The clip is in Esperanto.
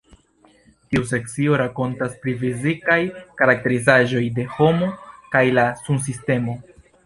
Tiu sekcio rakontas pri fizikaj karakterizaĵoj de homo kaj la Sunsistemo.